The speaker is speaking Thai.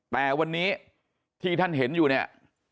แต่วันนี้ที่ท่านเห็นอยู่เนี่ย